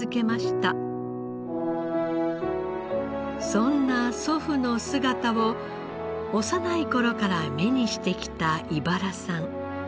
そんな祖父の姿を幼い頃から目にしてきた井原さん。